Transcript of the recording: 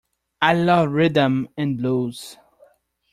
I love rhythm and blues!